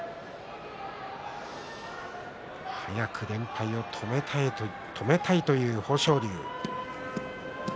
早く連敗を止めたいという豊昇龍です。